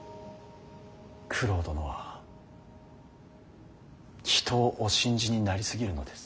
九郎殿は人をお信じになり過ぎるのです。